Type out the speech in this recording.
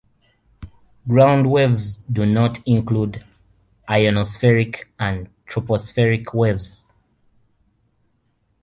Ground waves "do not" include ionospheric and tropospheric waves.